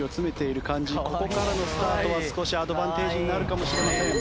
ここからのスタートは少しアドバンテージになるかもしれません。